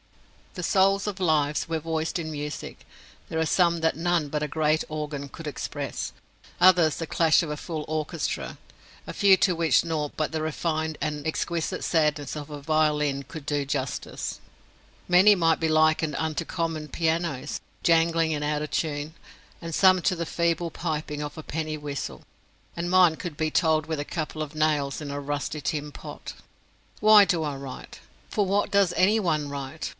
If the souls of lives were voiced in music, there are some that none but a great organ could express, others the clash of a full orchestra, a few to which nought but the refined and exquisite sadness of a violin could do justice. Many might be likened unto common pianos, jangling and out of tune, and some to the feeble piping of a penny whistle, and mine could be told with a couple of nails in a rusty tin pot. Why do I write? For what does any one write?